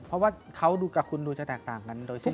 เพราะว่าเขากับคุณดูจะแตกต่างกัน